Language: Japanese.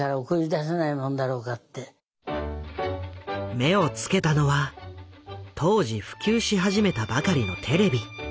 目を付けたのは当時普及し始めたばかりのテレビ。